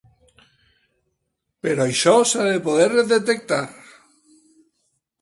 Però això s’ha de poder detectar.